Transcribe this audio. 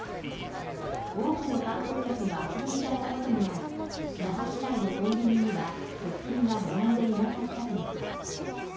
多くの観光客が足止めされたこともあり、那覇市内のコンビニには食品が並んでいなかったという。